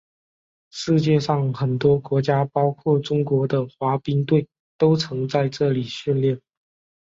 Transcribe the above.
世界上很多国家包括中国的滑冰队都曾在这里训练。